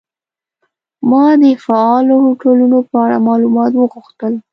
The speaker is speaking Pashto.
ما د فعالو هوټلونو په اړه معلومات وغوښتل.